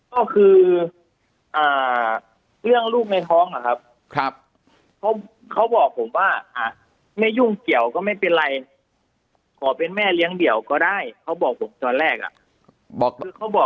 ก็คือเรื่องลูกในท้องอะครับเขาบอกผมว่าไม่ยุ่งเกี่ยวก็ไม่เป็นไรขอเป็นแม่เลี้ยงเดี่ยวก็ได้เขาบอกผมตอนแรกอ่ะ